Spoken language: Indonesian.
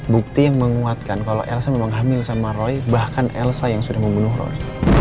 bukti yang menguatkan kalau elsa memang hamil sama roy bahkan elsa yang sudah membunuh rony